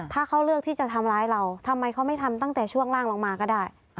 ถ้าเขาเลือกการทำร้ายเราทำตั้งแต่ช่วงล่างลงมาก็ได้